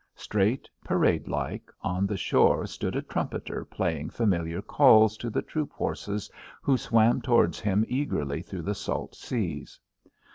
Straight, parade like, on the shore stood a trumpeter playing familiar calls to the troop horses who swam towards him eagerly through the salt seas.